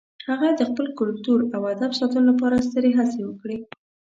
هغه د خپل کلتور او ادب ساتلو لپاره سترې هڅې وکړې.